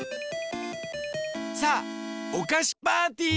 さあおかしパーティー！